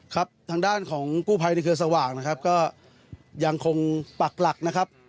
ทางด้านของกู้ภัยในเครือสว่างนะครับก็ยังคงปักหลักนะครับ